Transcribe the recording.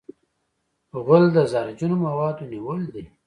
غول د زهرجنو موادو نیول دی.